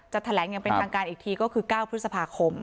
แถลงอย่างเป็นทางการอีกทีก็คือ๙พฤษภาคม